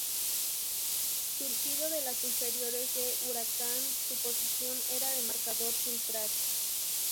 Surgido de las inferiores de Huracán, su posición era de marcador central.